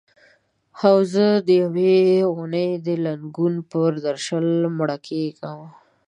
او زه د یوې ونې د لنګون پر درشل مړه کیږم